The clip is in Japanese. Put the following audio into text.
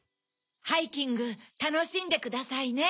ハイキングたのしんでくださいね